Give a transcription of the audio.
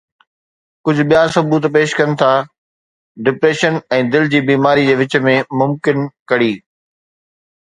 ڪجهه ٻيا ثبوت پيش ڪن ٿا ڊپريشن ۽ دل جي بيماري جي وچ ۾ ممڪن ڪڙي